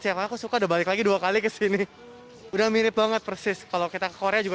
siapa aku suka udah balik lagi dua kali ke sini udah mirip banget persis kalau kita korea juga